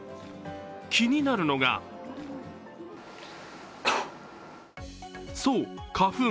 気になるのがそう、花粉。